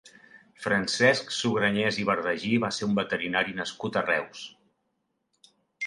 Francesc Sugrañes i Bardají va ser un veterinari nascut a Reus.